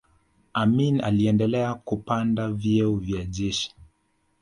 amin aliendelea kupanda vyeo vya jeshi